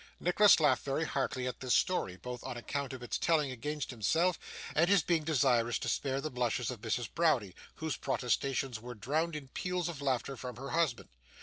Nicholas laughed very heartily at this story, both on account of its telling against himself, and his being desirous to spare the blushes of Mrs. Browdie, whose protestations were drowned in peals of laughter from her husband.